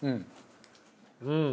うん。